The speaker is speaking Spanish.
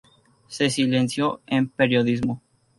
Se licenció en Periodismo.